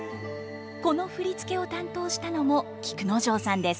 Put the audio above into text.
この振り付けを担当したのも菊之丞さんです。